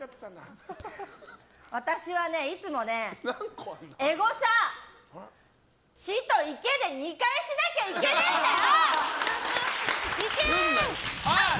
私はね、いつもね、エゴサ「地」と「池」で２回しなきゃいけねんだよ！